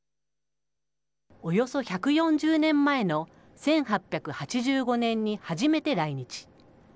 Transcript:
およそ１４０年前の１８８５年に初めて来日。